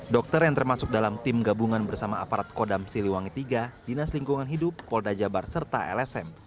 dokter yang termasuk dalam tim gabungan bersama aparat kodam siliwangi iii dinas lingkungan hidup polda jabar serta lsm